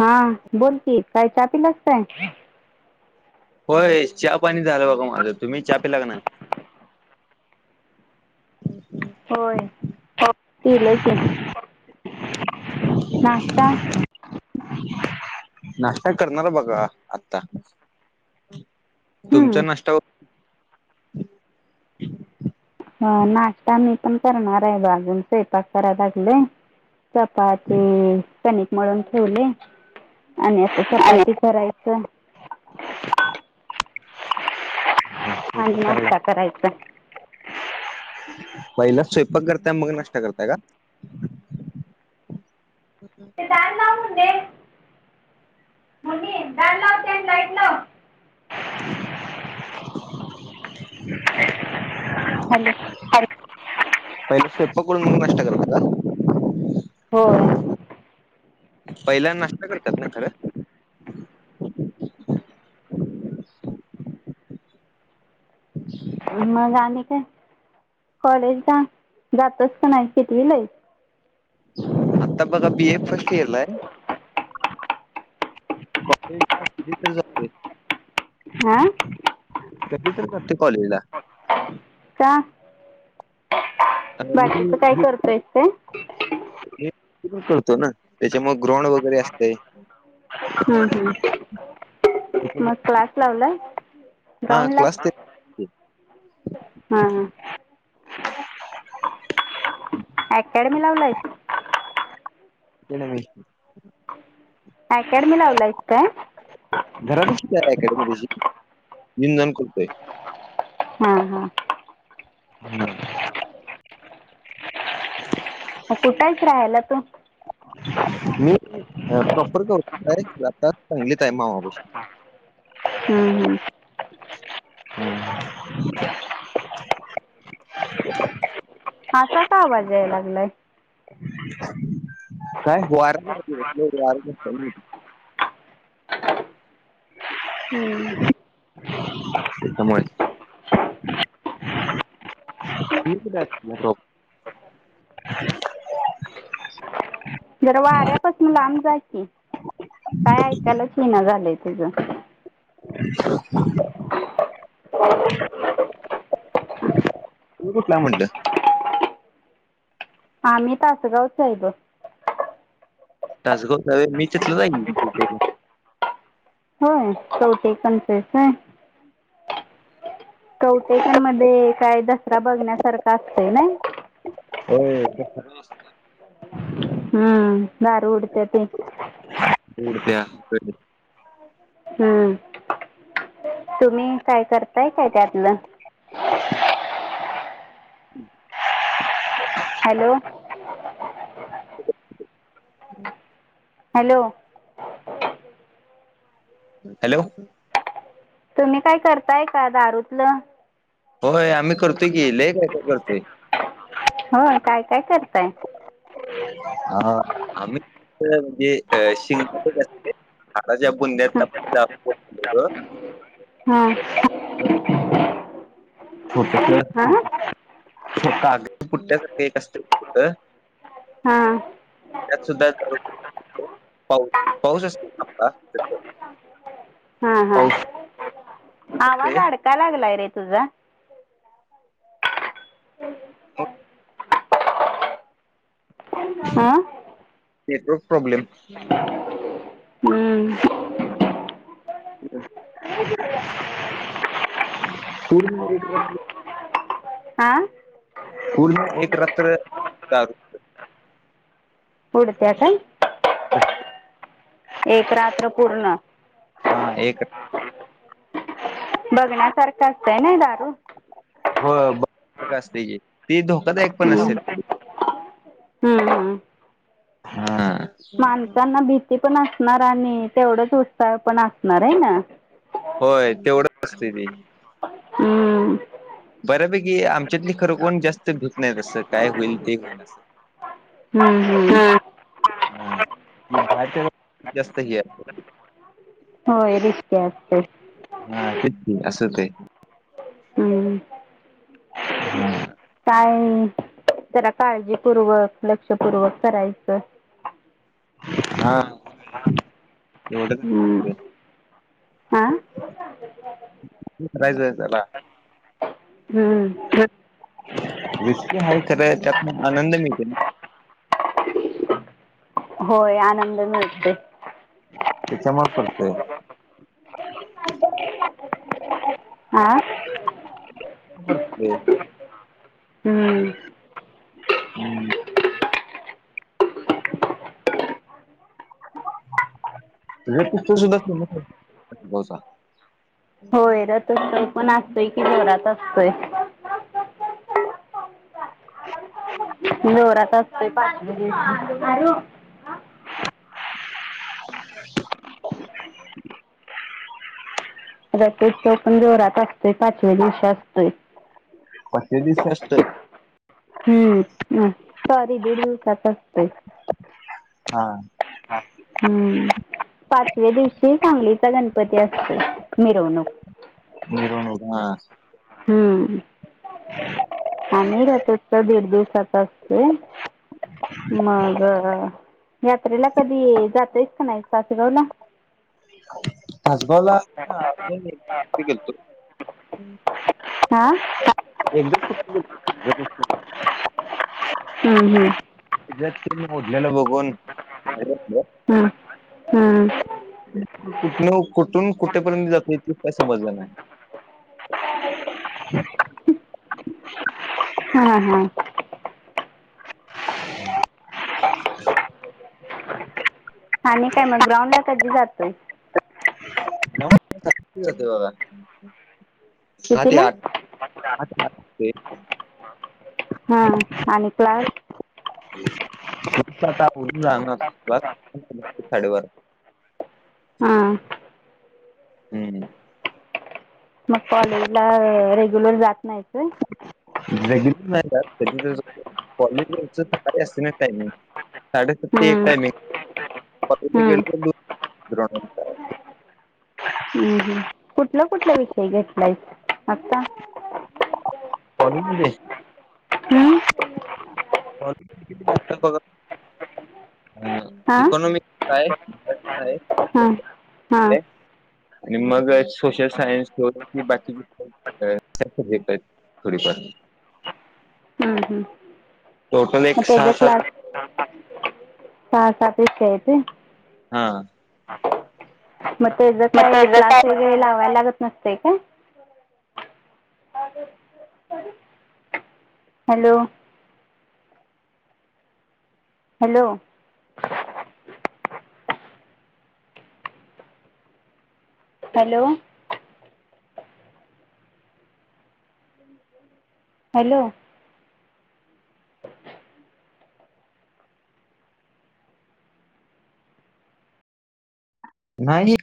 हा बोलकी काय चहा पिलास काय? होय चहापाणी झालं बघा माझं, तुम्ही चहा पिला का नाही. [inaudible] होय. पिलंय की, नाश्ता. नाश्ता करणार बघा आता तुमच्या हम्म नाष्टाव ह नाश्ता मी पण करणार आहे ग अजून स्वयंपाक कराय लागलोय. चपाती कणिक मळून ठेवले. आणि आ चपाती करायचं. आणि नाश्ता करायचा [unintelligible] पहिला स्वयंपाक करताय, मग नाश्ता करता काय? ते दार लाव मम्मे. मुनीम दार लाव ते आणि लाईट लाव. हॅलो. [unintelligible] पहिले स्वयंपाक करून मग नाश्ता करता का होय. पहिला नाश्ता करतात ना, खरं. मग आणि काय कॉलेजला जातोस काय नाही कितवीला आहेस? आता बघा बीए फर्स्ट इयरला आहे. [unintelligible] तर जातोय. हां.. कधी तर करतोय, कॉलेजला का? [unintelligible] बाकीचं काय आणि करतोयस काय तू पण करतो ना, त्याच्यामुळे ग्राऊंड वगैरे असते. हं हं.. मग क्लास लावलाय. गाउनला क्लास हा ते हा. अकॅडमी लावलायस. ते नव्हे. अँकॅडमी लावलायस काय? घरातून सुद्धा अकॅडमी बिझी, येवून जावून करतोय. हां.. हां.. हम्म. [unintelligible] मग कुठं आहेस राहायला तू. [inaudible] मी प्रॉपर [unintelligible] सांगलीत आहे मामापशी. हम्म हम्म. हम् [inaudible] असा का आवाज यायला लागलाय [inaudible] काय [inaudible] हं. [unintelligible] [inaudible] जरा वाऱ्यापासन लांब जा की काय ऐकायलाच येईना झालंय तुझं. [inaudible] [inaudible] तु कुठला म्हटलं? आम्ही तासगावच आहे बघ. टासगो नवे मी चितलं जाईन. [unintelligible] होय चौटे पण तेच आहे. कौटेशनमध्ये काय दसरा बघण्यासारखा असत ना? होय. हा गार उडत्या ते. उडत्या. हम्म. तुम्ही काय करताय काय त्यातलं? हुं. हॅलो. हॅलो. हॅलो. तुम्ही काय करताय का दारूतलं? होय आम्ही करतोय की लय काय काय करतोय. होय काय काय करताय? हा आम्ही [inaudible] जे अ. [unintelligible] आता ज्या बुंद्यात. [unintelligible] हा. [unintelligible] हां. कागदी पुट्यासारखं केक असतोय कुठं. हां. त्यात सुद्धा. [inaudible] पाऊ पाऊस असत आता. हा हा आवाज आडकाय लागलाय रे तुझा. हो. हां. नेटवर्क प्रॉब्लेम हंम्म. हम्म. [unintelligible] आं पूर्ण एक रात्र दारू. उडत्या काय? [unintelligible] एक रात्र पूर्ण. हा एक बघण्यासारखं असतंय ना दारू. हो [inaudible] असतेय ते धो हम्म हम्म. हम्म. हां. माणसांना भीती पण असणार आणि तेवढंच उत्साह पण असणार आहे ना. होय, तेवढंच असतय ते हम्म. बऱ्यापैकी आमच्यातली खरं कोण जास्त धूत नाही तसं काय होईल ते होईल असं. हम्म. हम्म. हम्म [unintelligible] जास्त हे आहे. होय रिस्की असतय हा, तेच की असं होतंय. हम्म. हमं. काय जरा काळजीपूर्वक, लक्षपूर्वक करायचं. हा, एवढच हम्म हा विचरायचं आहे त्याला. हम्म. रिस्की आहे खरं, त्यातन आनंदा मिळतोय ना. होय आनंद मिळतोय. त्याच्या मुळे पडतंय. हां. [unintelligible] हम्म [unintelligible] हम्म हम्म. [unintelligible] पण असतंय की जोरात असतोय. [unintelligible] जोरातच ते पाच [unintelligible] रथोत्सव पण जोरात असतय, पाचव्या दिवशी असतोय. पाचव्या दिवशी फास्ट हम्म. ह सॉरी दीड दिवसात असतय. हा हम्म. पाचव्या दिवशी सांगलीचा गणपती असतोय मिरवणूक. मिरवणूक हा, हम्म. आम्ही राहतो तिथं दीड दिवसाचा असतोय मग, यात्रेला कधी जातयस का नाही तासगावला? तासगावला [unintelligible] गेलतो. हा. [unintelligible] हम्म. हम्. [unintelligible] इथलं मोजलेलं बघून [unintelligible] हम्म. हा. कुठन कुठून कुठेपर्यंत जातो ते काय समजलं नाही. हा. हा. [unintelligible] आणि काय मग ग्राउंडला कधी जातोय? ग्राउंडला सकाळी जातोय बघा, सहा ते कितीला आठ. आठ ना ते हा आणि क्लास फक्त, आता आवरून जाणार [unintelligible] साडेबारा हां हम्म. मग कॉलेजला रेग्युलर जात नाहीत होय. रेग्युलर नाही जात कधी तरी जातो. कॉलेज [unintelligible] असतंय ना टाइमिंग. साडेसात ते एक हं, टाइमिंग [unintelligible] हं, गेल तर [unintelligible] हम्म हम्म. कुठलं कुठलं विषय घेतलाय आता? कॉलेजमध्ये? हम्म. किती लागत बघा हां इकॉनोमिक आहे काय, हां हां काय? आणि मग सोशल सायन्स किंवा बाकीची भेताय थोडी फार हं, हं. टोटल मग एक सहा त्याचे क्लास सात सहा, सात विषय आहेत होय. हा. मग, त्याचे काही क्लास वगैरे लावायला लागत नसते काय. हॅलो. हॅलो. हॅलो. हॅलो. नाही.